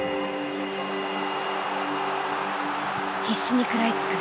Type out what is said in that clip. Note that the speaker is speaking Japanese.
必死に食らいつく。